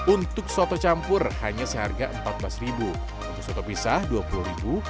untuk soto campur hanya seharga rp empat belas untuk soto pisah rp dua puluh